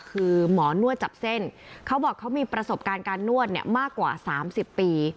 คือหมอนวดจับเส้นเขาบอกเขามีประสบการณ์การนวดเนี่ยมากกว่า๓๐ปี